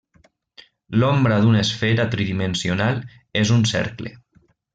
L'ombra d'una esfera tridimensional és un cercle.